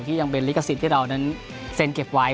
ยังเป็นลิขสิทธิ์ที่เรานั้นเซ็นเก็บไว้